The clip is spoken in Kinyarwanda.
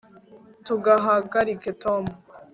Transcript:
ntugahagarike tom